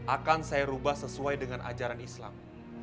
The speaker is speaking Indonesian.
akan saya ubah sesuai dengan ajaran islam